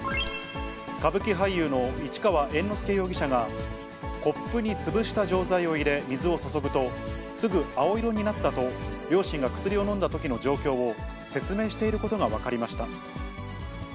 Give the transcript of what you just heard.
歌舞伎俳優の市川猿之助容疑者が、コップに潰した錠剤を入れ、水を注ぐと、すぐ青色になったと、両親が薬を飲んだときの状況を説明していることが分かりました。